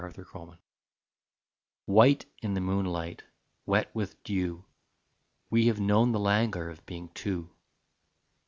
A LITTLE MEMORY White in the moonlight, Wet with dew, We have known the languor Of being two.